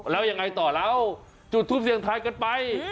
แล้วยังไงต่อแล้วจุดทูปเสียงทายกันไป